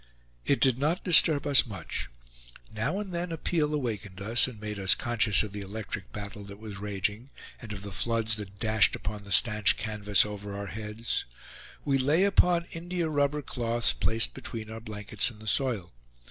It did not disturb us much. Now and then a peal awakened us, and made us conscious of the electric battle that was raging, and of the floods that dashed upon the stanch canvas over our heads. We lay upon india rubber cloths, placed between our blankets and the soil.